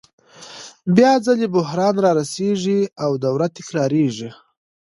بیا ځلي بحران رارسېږي او دوره تکرارېږي